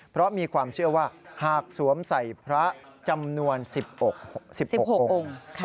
เพราะมีความเชื่อว่าหากสวมใส่พระจำนวน๑๖องค์